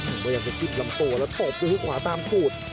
พยายามจะจิ้มลำตัวแล้วตบด้วยฮุกขวาตามขูด